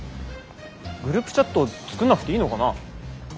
グループチャット作んなくていいのかな？